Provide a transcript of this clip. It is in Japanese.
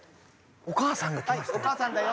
お母さんが来ましたよ。